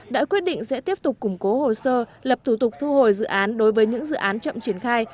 đã quyết định sẽ tiếp tục củng cố hồ sơ lập thủ tục thu hồi dự án đối với những dự án chậm triển khai